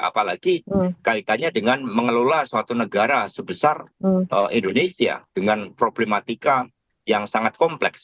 apalagi kaitannya dengan mengelola suatu negara sebesar indonesia dengan problematika yang sangat kompleks